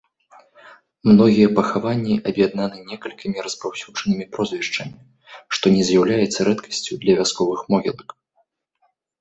Многія пахаванні аб'яднаны некалькімі распаўсюджанымі прозвішчамі, што не з'яўляецца рэдкасцю для вясковых могілак.